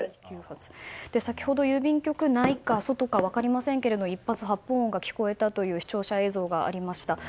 先ほど、郵便局内か外か分かりませんけれども１発発砲音が聞こえたという視聴者映像がありました。